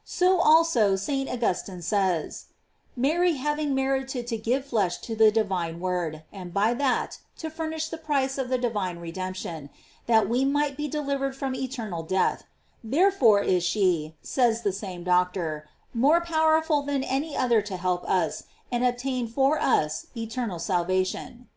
* So also St. Augustine says: Mary having merited to give flesh to the Divine "Word, and by that to furnish the price of the divine redemption, that we might be delivered from eternal death; therefore is she, says the same doctor, more powerful than any other to help us and obtain for us eternal salvation.